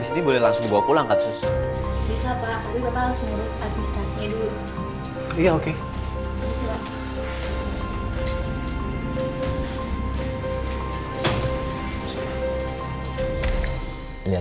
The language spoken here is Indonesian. terima kasih ya